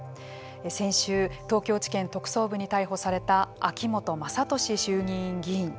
先週、東京地検特捜部に逮捕された秋本真利衆議院議員。